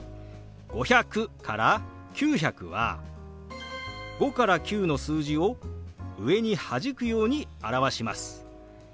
５００から９００は５から９の数字を上にはじくように表します。